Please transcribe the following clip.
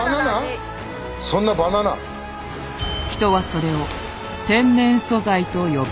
人はそれを「天然素材」と呼ぶ。